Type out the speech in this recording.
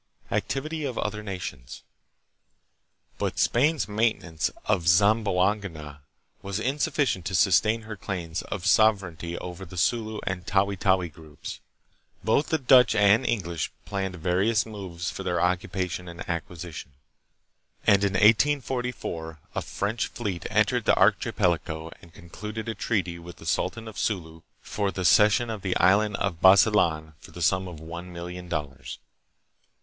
Activity of Other Nations. But Spain's maintenance of Zamboanga was insufficient to sustain her claims of sovereignty over the Sulu and Tawi Tawi groups. Both the Dutch and English planned various moves for their occupation and acquisition, and in 1844 a French fleet entered the archipelago and concluded a treaty with the sultan of Sulu for the cession of the island of Basilan for the sum of one million dollars.